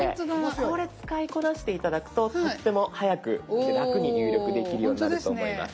これ使いこなして頂くととっても早く楽に入力できるようになると思います。